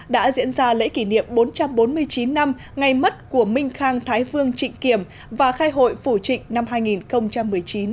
đã diễn ra lễ kỷ niệm bốn trăm bốn mươi chín năm ngày mất của minh khang thái vương trịnh kiểm và khai hội phủ trịnh năm hai nghìn một mươi chín